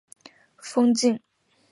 丰县境内的丰沛运河段可通航。